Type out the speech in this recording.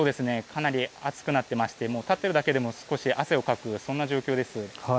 かなり暑くなってましてもう立っているだけでも少し汗をかくそんな状況です。